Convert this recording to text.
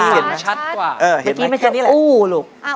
แค่นี้เห็นไหมแค่นี้แหลมผมกว่า